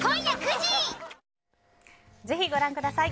ぜひ、ご覧ください。